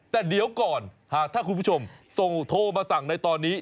แต่เดี๋ยวก่อนหากถ้าคุณผู้ชมส่งโทรมาสั่งในตอนนี้